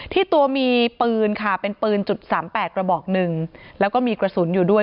ที่ตัวมีปืนค่ะเป็นปืนจุดสามแปดกระบอกหนึ่งแล้วก็มีกระสุนอยู่ด้วย